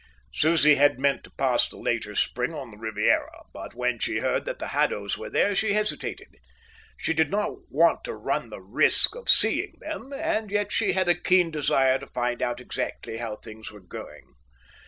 Susie had meant to pass the later spring on the Riviera, but when she heard that the Haddos were there, she hesitated. She did not want to run the risk of seeing them, and yet she had a keen desire to find out exactly how things were going.